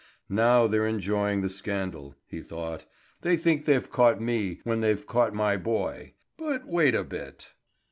"Now they're enjoying the scandal," he thought. "They think they've caught me when they've caught my boy; but wait a bit."